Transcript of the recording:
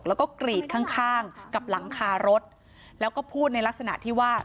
แล้วก็กรีดข้างข้างกับหลังคารถแล้วก็พูดในลักษณะที่ว่า